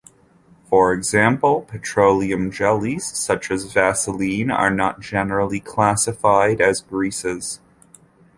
For example, petroleum jellies such as Vaseline are not generally classified as greases.